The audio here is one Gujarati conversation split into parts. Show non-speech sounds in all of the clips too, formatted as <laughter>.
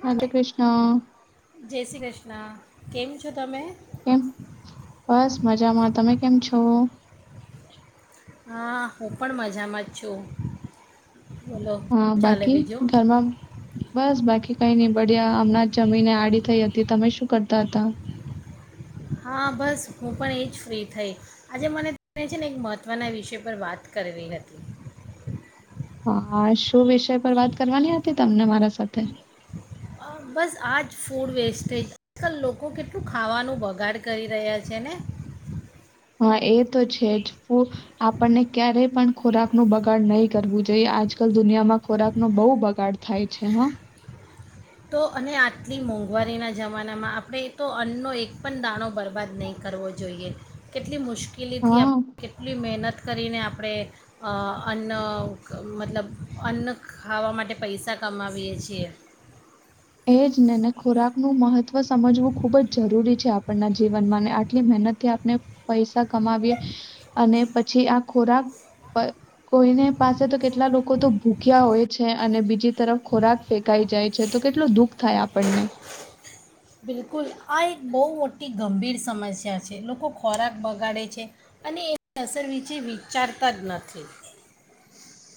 રાધે કૃષ્ણ ના કેમ છો તમે કેમ બસ મજામાં તમે કેમ છો હા હું પણ મજામાં જ છું બોલો હા શું ચાલે બાકી બીજું ઘરમાં બસ બાકી કઈ નહી બડ્યા હમણાં જ જમીને આડી થઈ હતી તમે શું કરતા હતા હા બસ હું પણ એ જ ફ્રી થઈ આજે મને તેને છે ને એક મહત્વના વિષય પર વાત કરવી હતી હા શુ વિષય પર વાત કરવાની હતી તમને મારા સાથે અ, બસ આ જ ફૂડ વેસ્ટેજ આજકાલ લોકો કેટલું ખાવાનું બગાડ કરી રહ્યા છે ને હા એ તો છે જ ફુ આપણને ક્યારેય પણ ખોરાક નો બગાડ નહી કરવું જોઈએ આજ કલ દુનિયામાં ખોરાક નો બહુ બગાડ થાય છે હ તો અને આટલી મોંઘવારીના જમાનામાં આપણે તો અન્નનો એક પણ દાણો બરબાદ નહીં કરવો જોઈએ કેટલી મુશ્કેલી કેલી ધી હા આપણે કેટલી મહેનત કરીને આપણે અન્ન મતલબ અન્ન ખાવા માટે પૈસા કમાવીએ છીએ નું મહત્વ સમજવું ખુબ જ જરૂરી છે આપણના જીવનમાં અને આટલી મહેનત થી આપણે પૈસા કમાવીએ અને પછી આ ખોરાક કોઈને પાસે તો કેટલા લોકો તો ભૂખ્યા હોય છે અને બીજી તરફ ખોરાક ફેંકાઈ જાય છે તો દુઃખ થાય આપણને બિલકુલ આ એક બહુ મોટી ગંભીર સમસ્યા છે લોકો ખોરાક બગાડે છે અને એની અસર વિશે વિચારતા જ નથી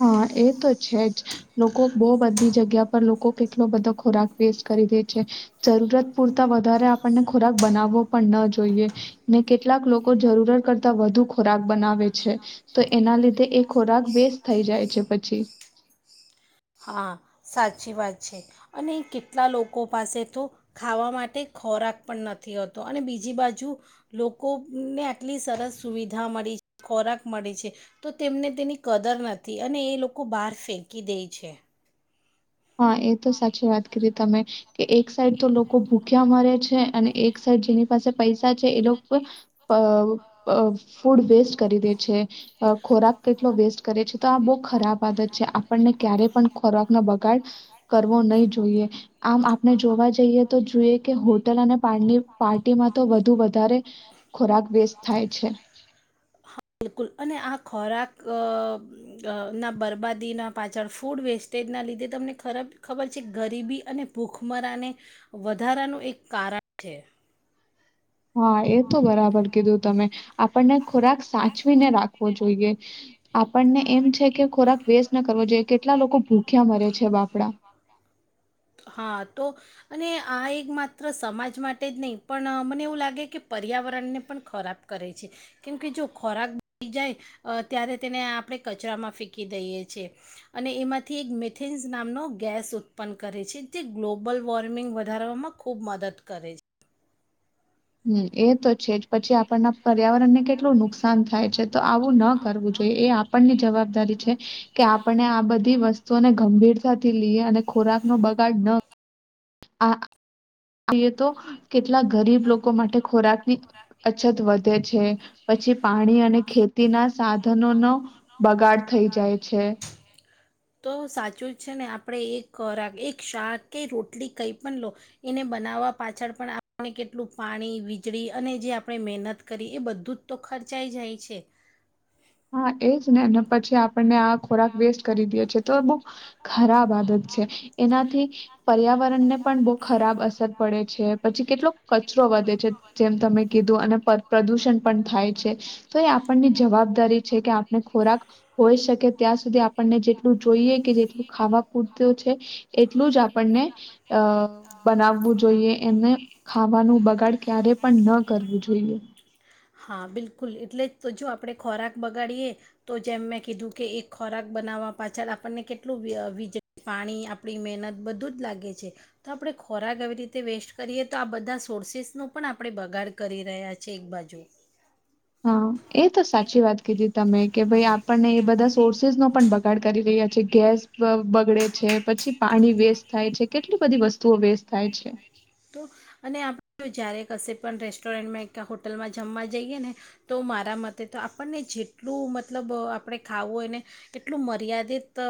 હા એ તો છે જ લોકો બહુ બધી જગ્યા પર લોકો કેટલો બધો ખોરાક વેસ્ટ કરી દે છે જરૂરત પૂરતા વધારે આપણને ખોરાક બનાવવો પણ ન જોઈએ ને કેટલાક લોકો જરૂરત કરતા વધુ ખોરાક બનાવે છે તો એના લીધે એ ખોરાક વેસ્ટ થઈ જાય છે પછી હા સાચી વાત છે અને કેટલા લોકો પાસે તો ખાવા માટે ખોરાક પણ નથી હોતો અને બીજી બાજુ લોકોને આટલી સરસ સુવિધા મળી ખોરાક મળી છે તો તેમને તેની કદર નથી અને એ લોકો બહાર ફેંકી દે છે છે હા એ તો સાચી વાત કીધી તમે કે એક સાઈડ તો લોકો ભૂખ્યા મરે છે અને એક સાઈડ જેની પાસે પૈસા છે એ લોકો અ અ ફૂડ વેસ્ટ કરી દે છે અ ખોરાક કેટલો વેસ્ટ કરે છે તો આ બહુ ખરાબ આદત છે આપણને ક્યારે પણ ખોરાક ના બગ કરવો નહી જોઈએ આમ આપણે જોવા જ તો જો હોટલ પર્ડ પાર્ટીમાં તો વધુ વધારે ખોરાક વસ્ટ થાય છે હા બિલકુલ અને આ ખોરાક અ અબ ના બરબાદીના પાછળ ફૂડ વેસ્ટેજના લીધે તમને ખરાબ ખબર છે ગરીબી અને ભૂખમરાને વધારાનું એક કારણ છે હા એ તો બરાબર કીધું તમે આપણને ખોરાક સાચવીને રાખવો જોઈએ આપણને એમ છે કે ખોરાક વેસ્ટ ના કરવો જોઈએ કેટલા લોકો ભૂખ્યા મરે છે બાપડા હા તો અને આ એક માત્ર સમાજ માટે જ નહીં પણ મને એવું લાગે કે પર્યાવરણને પણ ખોરાબ કરે છે કેમકે જો ખોરાક બી જાય ત્યારે તેને આપણે કચરામાં ફેંકી દઈએ છેએ અને એમાંથી એક મેથેન્સ નામનો ગેસ ઉત્પન્ન કરે છે તે ગ્લોબલ વોર્મિંગ વધારવામાં ખૂબ મદદ કરે છે હમ્મ એ તો છે જ પછી આપણના પર્યાવરણ ને કેટલું નુકસાન થાય છે, તો આવું ન કરવું જોઈએ એ આપણની જવાબદારી છે. કે આપણે આ બધી વસ્તુઓને ગંભીરતા. થી <unintelligible> અને ખોરાક નો બગાડ ન આ જોએ તો કેટલા ગરીબ લોકો માટે ખોરાકની અછત વધે છે, પછી પાણી અને ખેતીના સાધનો નો બગાડ થઈ જાય છે. તો સાચું જ છે, ને આપણે એક ખોરાક એક શાક કે રોટલી કઈ પણ લો એને બનાવવા પાછળ પણ આપને કેટલું પાણી વીજળી અને જે આપણે મહેનત કરી એ બધું જ તો ખર્ચ <unintelligible> જાય છે. હા એ <unintelligible> પછી આપણને આ ખોરાક વેસ્ટ કરી દે છે, તો બહ ખરાબ આદત છે, એના થી પર્યાવરણ ને પણ બહુ ખરાબ અસર પડે છે. પછી કેટલો કચરો વધે છે, જેમ તમે કીધું અને પ્રદુષણ થાય છે, તો એ આપણની જવાબદારી છે, કે આપણે ખોરાક હોય શકે ત્યાં સુધી આપણને જેટલું જોઈએ કે જેટલું ખાવા પૂરતું છે એટલું જ આપણને અ બનાવવું જોઈએ એને ખાવાનું બગાડ ક્યારે પણ ન કરવું જોઈએ. હા બિલકુલ એટલે તો જો આપણે ખોરાક બગાડીએ તો જેમ મેં કીધું કે એક ખોરાક બનાવવા પાછળ આપણને કેટલું <unintelligible> વીજળી પાણી આપણી મહેનત બધું જ લાગે છે તો આપણે ખોરાક આવી રીતે વેસ્ટ કરીએ તો આ બધા <unintelligible> પણ આપણે બગાડ કરી રહ્યા <unintelligible> એક બાજુ હા એ તો સાચી વાત કીધી તમે કે ભાઈ હા આપણને એ બધા <unintelligible> નો પણ બગાડ કરી રહ્યા છે, ગેસ બગડે છે પછી પાણી વેસ્ટ થાય છે, કેટલી બધી વસ્તુઓ વેસ્ટ થાય છે. તો અને આપણે જ્યારે કશે પણ રેસ્ટોરન્ટમાં હોટલમાં જમવા જઈએ ને તો મારા મતે તો આપણને જેટલું મતલબ આપણે ખાવું હોય ને એટલું મર્યાદિત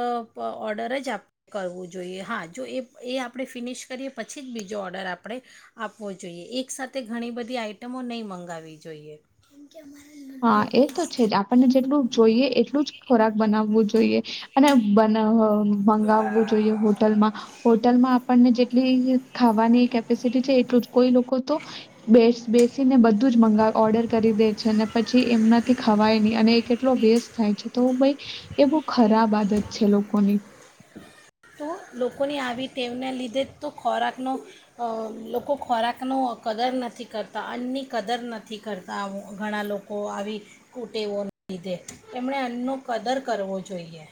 ઓર્ડર જ આપણે કરવું જોઈએ હા જો એ એ આપણે ફિનિશ કરીએ પછી જ બીજો ઓર્ડર ઓર્ડર આપણે આપવો જોઈએ એક સાથે ઘણી બધી <unintelligible> નહીં મંગાવવી જોઈએ. હા એ તો છે, જ આપણને જેટલું જોઈએ એટલું જ ખોરાક બનાવવું જોઈએ અને બ મંગાવવું જોઈએ હોટલમાં હોટલમાં આપણને જેટલી ખાવાની કેપેસિટી છે, એટલું જ કોઈ લોકો તો <unintelligible> બેસીને બધું જ <unintelligible> ઓર્ડર કરી દે છે. પછી એમનાથી ખવાય નહી અને એ કેટલો વેસ્ટ થાય છે, તો ભાઈ એ બહ ખરાબ આદત છે, લોકોની. તો લોકોની આવી ટેવને લીધે તો ખોરાકનો લોકો ખોરાકનો કદર નથી કરતા અન્નની કદર નથી કરતા ઘણા લોકો આવી કુટેવોના લીધે એણે અન્નનો કદર કરવો જોઈએ.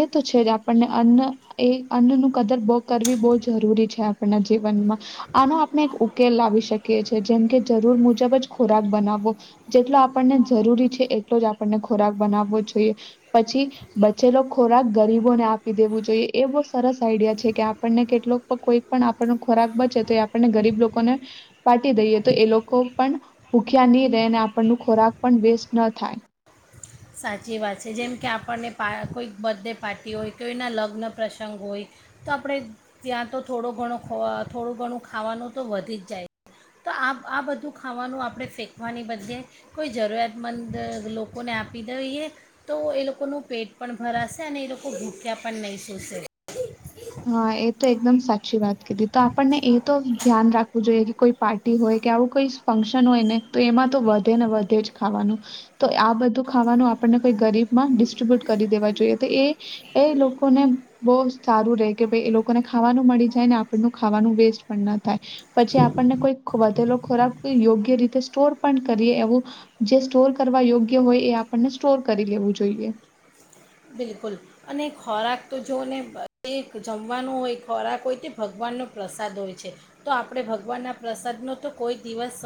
એ તો છે, જ આપણને અન્ન એ અન્નનું કદર બો કરવી બહુ જરૂરી છે, આપણના જીવનમાં. આનો આપણે એક કે લાવી શકી જેમકે જરૂર મુજબ જ ખોરાક બનાવવો જેટલો આપણને જરૂરી છે, એટલો જ આપણને ખોરાક બનાવવો જોઈએ પછી જેલ્લો ખોરાક ગરીબોને આપી દેવું જોઈએ એ બહુ સરસ આઈડિયા છે, કે આપણને કેટલોક કોઈ પણ આપણનો ખોરાક બચે તો એ આપણને ગરીબ લોકોને <unintelligible> દઈએ તો એ લોકો પણ ભૂખ્યા નહીં રહે અને આપણ ન ખોરાક પણ વેસ્ટ ન થાય. સાચી વાત છે, જેમ કે આપણને <unintelligible> કોઈ બર્થડે પાર્ટી હોય કોઈના લગ્ન પ્રસંગ હોય તો આપણે ત્યાં તો થોડો ઘણો થોડું ઘણું ખાવાનું તો વધી જ જાય તો આ આ બધું ખાવાનું આપણે ફેંકવાની બદલે કોઈ <unintelligible> લોકોને આપ આપી દઈએ તો એ લોકોનું પેટ પણ ભરાશે અને એ લોકો ભૂખ્યા પણ નહીં સૂશે. હા એ તો એકદમ સાચી વાત તો આપણને એ તો ધ્યાન રાખવું જોઈએ. કોઈ પાર્ટી હોય કે આવું કોઈ ફંક્શન હોય ને તો એમાં તો વધે ને વધે જ ખાવાનું તો આ બધું ખાવાનું આપણને કોઈ ગરીબમાં ડિસ્ટ્રીબ્યુટ કરી દેવા જોઈએ. કે ભાઈ એ લોકોને ખાવાનું મળી જાય ને આપણ ખાવાનું વેસ્ટ પણ ના થાય પછી આપણને કોઈ વધેલો ખોરાક યોગ્ય રીતે સ્ટોર પણ કરીએ એવું જે સ્ટોર કરવા યોગ્ય હોય એ આપણને સ્ટોર કરી લેવું જોઈએ. બિલકુલ અને ખોરાક તો જોને તે જમવાનો હોય ખોરાક હોય તે ભગવાનનો પ્રસાદ હોય છે તો આપણે ભગવાનના પ્રસાદનો તો કોઈ દિવસ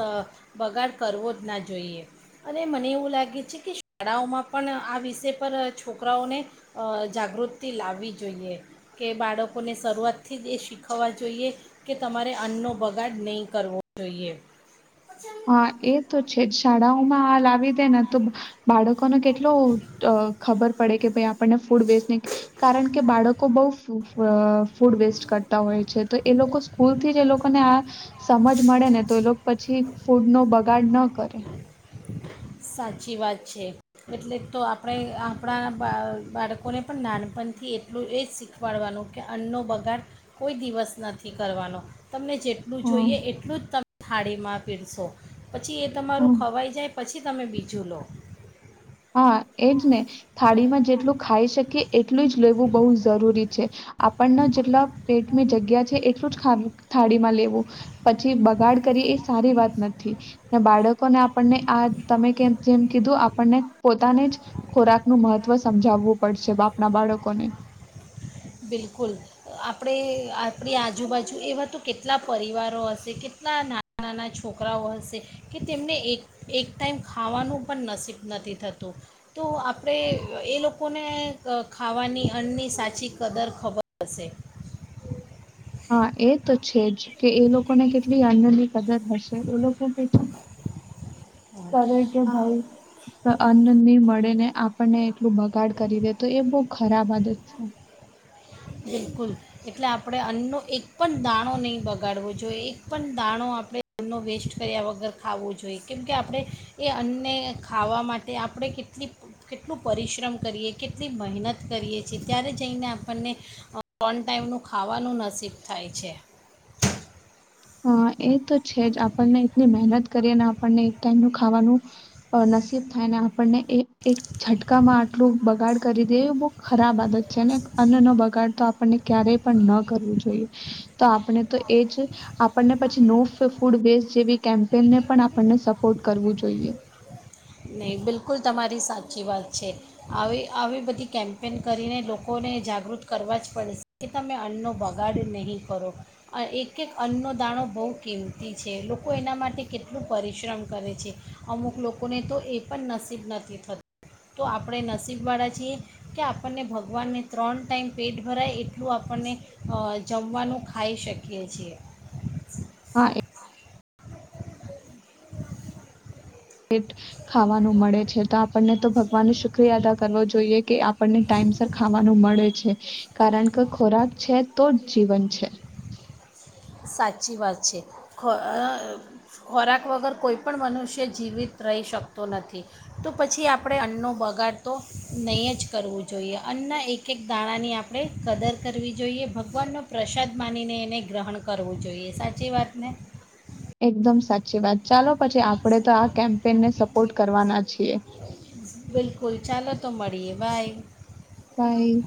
બગાડ કરવો જ ના જોઈએ અને મને એવું લાગે છે કે શાળાઓમાં પણ આ વિષય પર છોકરાઓને જાગૃતિ લાવવી જોઈએ કે બાળકોને શરૂઆતથી જ એ શીખવવા જોઈએ કે તમારે અન્નનો બગાડ નહીં કરવો જોઈએ. હા એ તો છે જ શાળાઓ માં હાવી દે ને તો બાળકોને કેટલો ખબર પડે કે ભાઈ આપણને ફૂડ વેસ્ટ નહી કારણ કે બાળકો બહ ફૂડ વેસ્ટ કરતા હોય છે તો એ લોકો સ્કૂલ થી જ એ લોકોને આ સમજ મળે ને તો એ લોકો પછી ફૂડનો બગાડ ન કરે. સાચી વાત છે એટલે તો આપણે આપણા બા બાળકોને પણ નાનપણથી એટલું એ જ શીખવાડવાનું કે અન્નનો બગાડ કોઈ દિવસ નથી કરવાનો. તમને જેટલું હમ્મ, જોઈએ એટલું જ ત થાળીમાં પીરશો. પછી એ તમારું હમ્મ. ખવાઈ જાય. પછી. તમે બીજું લો. હા એજ ને થાળીમાં જેટલું ખાઈ શકી. એટલું જ લેવું બહુ જરૂરી. આપણને જેટલા પેટની જગ્યા છે એટલું જ થાળીમાં લેવું પછી બગાડ કરી એ સારી વાત નથી બાળકોને આપણને આ તમે જેમ કીધું આપણને. પોતાને જ ખોરાકનું મહત્વ સમજાવવું પડશે બાપના બાળકોને. બિલકુલ આપણે આપણી આજુબાજુ એવા તો કેટલા પરિવારો હશે કેટલા નાના નાના છોકરાઓ હશે કે તેમને એક એક ટાઈમ ખાવાનું પણ નસીબ નથી થતું તો આપણે એ લોકોને ખાવાની અન્નની સાચી. કદર ખબર હશે. હા એ તો છે જ કે એ લોકોને કેટલી અન્નલી મદર હશે એ લોકો પ છે. હા. કર કે આ ભાઈ અન્ન નની મળે ને. આપણને એટલું બગાડ કરી દે તો એ બહુ ખરાબ આદત છે. બિલકુલ એટલે આપણે અન્નનો એક પણ દાણો નહીં બગાડવો જોઈએ એક પણ દાણો આપણે અન્નો વેસ્ટ કર્યા વગર ખાવો જોઈએ કેમકે આપણે એ અન્ને ખાવા માટે આપણે કેટલી કેટલું પરિશ્રમ કરીએ કેટલી મહેનત કરીએ છીએ ત્યારે જઈને આપણને ઓન ટાઈમનું ખાવાનું નસીબ થાય છે. હ એ તો છે જ આપણને એટલી મહેનત કરી અને આપણને એક ટાઈમનું ખાવાનું નસીબ થાય ને આપણને એ એક છટકામાં આટલું બગાડ કરી દેએ એ બહુ ખરાબ આદત છે ને અન્નનો બગાડ તો આપણને ક્યારેય પણ ન કરવું જોઈએ તો આપણે તો એ જ આપણને પછી નો ફૂડ વેસ્ટ જેવી કેમ્પેનને પણ આપણને સપોર્ટ કરવું જોઈએ. નહીં બિલકુલ તમારી સાચી વાત છે, આવી આવી બધી કેમ્પેન કરીને લોકોને જાગૃત કરવા જ પડશે કે તમે અન્નનો બગાડ નહીં કરો, એક-એક અન્નનો દાણો બહુ કિંમતી છે લોકો એના માટે કેટલું પરિશ્રમ કરે છે અમુક લોકોને તો એ પણ નસીબ નથી થતું તો આપણે નસીબવાળા છીએ કે આપણને ભગવાનને ત્રણ ટાઈમ પેટ ભરાય એટલું આપણને જમવાનું ખાઈ શકીએ છીએ. હા એ. પેટ ખાવાનું મળે છે તો આપણને તો ભગવાનને શુક્રિયા અદા કરવો જોઈએ કે આપણને ટાઈમસર ખાવાનું મળે છે કારણ કે ખોરાક છે તો જ જીવન છે. સાચી વાત છે, ખો અ ખોરાક વગર કોઈ પણ મનુષ્ય જીવિત રહી શકતો નથી તો પછી આપણે અન્નો બગાડ તો નહીં જ કરવું જોઈએ અન્ન એક એક દાણાની આપણે કદર કરવી જોઈએ ભગવાનનો પ્રસાદ માનીને એને ગ્રહણ કરવું જોઈએ સાચી વાતને. એકદમ સાચી વાત ચાલો પછી આપણે તો આ કેમ્પેનને સપોર્ટ કરવાના છીએ. બિલકુલ ચાલો તો મળીએ બાય. બાય.